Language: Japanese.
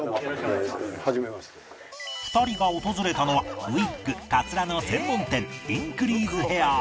２人が訪れたのはウィッグカツラの専門店インクリーズヘアー